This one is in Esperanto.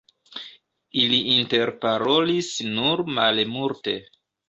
Ili interparolis nur malmulte.